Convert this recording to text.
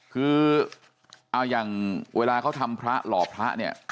คือเอาอย่างเวลาเขาทำพระหล่อพระเนี่ย